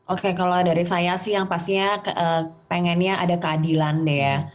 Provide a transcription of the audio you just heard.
oke kalau dari saya sih yang pastinya pengennya ada keadilan deh ya